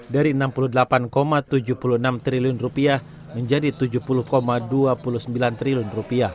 dari rp enam puluh delapan tujuh puluh enam triliun menjadi rp tujuh puluh dua puluh sembilan triliun